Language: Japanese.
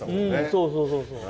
そうそうそうそう。